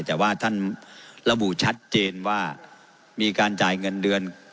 แต่ว่าท่านระบุชัดเจนว่ามีการจ่ายเงินเดือน